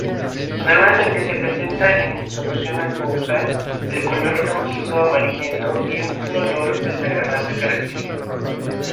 Normalmente se presenta en solución acuosa de color rojizo-amarillento y un olor desagradable característico.